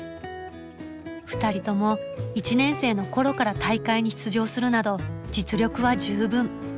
２人とも１年生の頃から大会に出場するなど実力は十分。